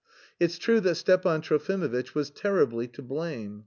It's true that Stepan Trofimovitch was terribly to blame!